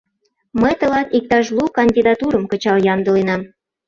Мый тылат иктаж лу кандидатурым кычал ямдыленам.